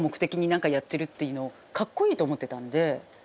何かやってるっていうのをかっこいいと思ってたんで。